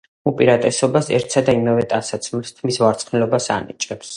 უპირატესობას ერთსა და იმავე ტანსაცმელს, თმის ვარცხნილობას ანიჭებენ.